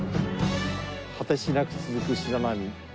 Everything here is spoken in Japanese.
果てしなく続く白波。